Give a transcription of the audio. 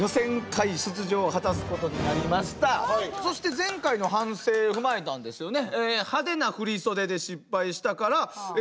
そして前回の反省を踏まえたんですよね。